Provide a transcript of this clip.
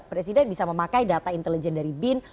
presiden bisa memakai data intelijen dari bin